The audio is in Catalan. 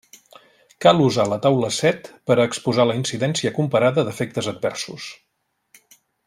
Cal usar la taula set per a exposar la incidència comparada d'efectes adversos.